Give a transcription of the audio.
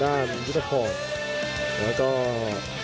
โดยมียุทธพคลอนครับ